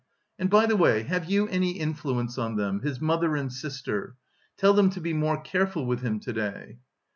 "And, by the way, have you any influence on them, his mother and sister? Tell them to be more careful with him to day...."